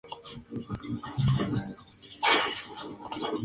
Organización Mundial de la Salud.